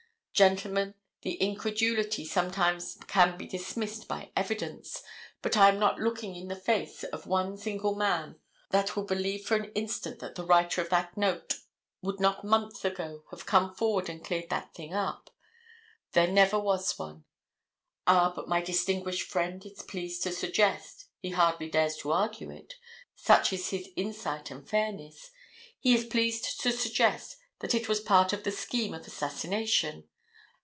Gentlemen, incredulity sometimes can be dismissed by evidence, but I am not looking in the face of one single man that will believe for an instant that the writer of that note would not months ago have come forward and cleared that thing up. There never was one. Ah, but my distinguished friend is pleased to suggest—he hardly dares to argue it, such is his insight and fairness—he is pleased to suggest that it was part of the scheme of assassination.